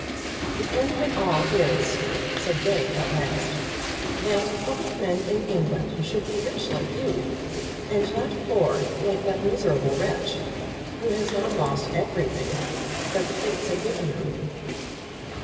"The end of it all is," said Grey at last, "that public men in England should be rich like you, and not poor like that miserable wretch, who has now lost everything that the Fates had given him."